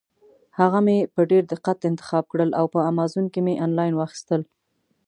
هغه مې په ډېر دقت انتخاب کړل او په امازان کې مې انلاین واخیستل.